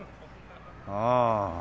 ああ。